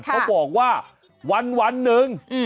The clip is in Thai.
เขาบอกว่าวันหนึ่ง